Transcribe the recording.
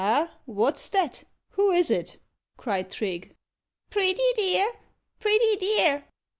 "Ah! what's that? Who is it?" cried Trigge. "Pretty dear! pretty dear!"